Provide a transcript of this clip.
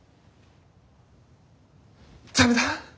駄目だ。